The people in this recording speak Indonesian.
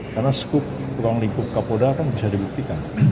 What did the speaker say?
karena skup ruang lingkup kapolda kan bisa dibuktikan